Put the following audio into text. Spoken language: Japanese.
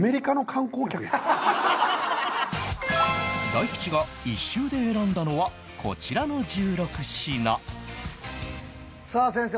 大吉が一周で選んだのはこちらの１６品さあ先生